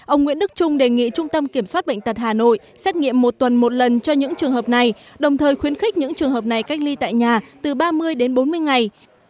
ông nguyễn đức trung đề nghị trung tâm kiểm soát bệnh tật hà nội xét nghiệm một tuần một lần cho những trường hợp này đồng thời khuyến khích những trường hợp này cách ly tại nhà từ ba mươi đến bốn mươi ngày